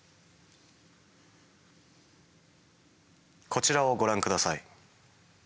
こちらをご覧下さい。